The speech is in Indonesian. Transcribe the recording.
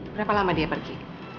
berapa lama dia pergi